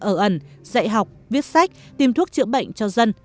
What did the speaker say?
ở ẩn dạy học viết sách tìm thuốc chữa bệnh cho dân